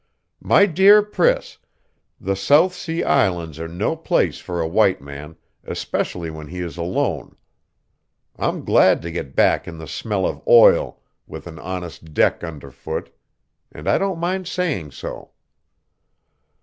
"My dear Priss, the South Sea Islands are no place for a white man, especially when he is alone. I'm glad to get back in the smell of oil, with an honest deck underfoot. And I don't mind saying so."